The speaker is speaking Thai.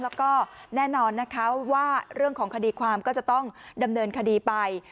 แล้วก็แน่นอนนะคะว่าเรื่องของคดีความก็จะต้องดำเนินคดีไป